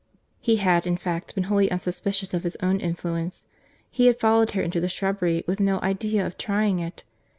He had, in fact, been wholly unsuspicious of his own influence. He had followed her into the shrubbery with no idea of trying it.